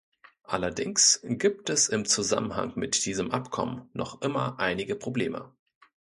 Allerdings gibt es im Zusammenhang mit diesem Abkommen noch immer einige Probleme.